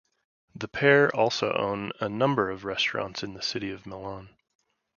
The pair also own a number of restaurants in the city of Milan.